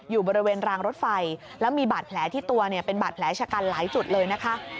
อยู่บริเวณรางรถไฟแล้วมีบาดแผลที่ตัวเนี่ยเป็นบาดแผลชะกันหลายจุดเลยนะคะ